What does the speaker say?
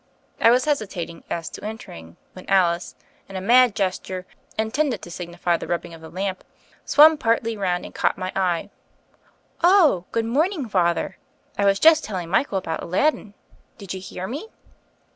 I was hesitating as to en tering, when Alice, in a mad gesture, intended to signify the rubbing of the lamp, swung partly round and caught my eye. "Oh, good morning, Father: I was just tell ing Midbael about Aladdin. Did you hear me?''